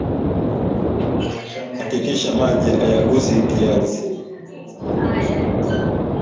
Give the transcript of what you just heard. hakikisha maji hayagusi kiazi